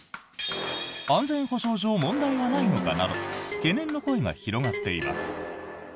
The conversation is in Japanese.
安全保障上、問題はないのかなど懸念の声が広がっています。